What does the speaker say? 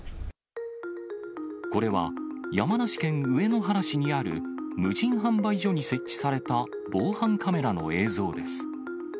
これは、山梨県上野原市にある無人販売所に設置された防犯カメラの映像です。